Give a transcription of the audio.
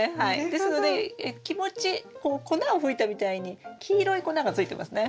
ですので気持ちこう粉を吹いたみたいに黄色い粉がついてますね。